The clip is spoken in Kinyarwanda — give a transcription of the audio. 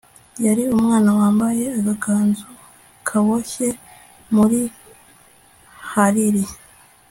yari umwana wambaye agakanzu kaboshye muri hariri